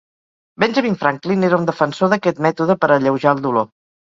Benjamin Franklin era un defensor d'aquest mètode per alleujar el dolor.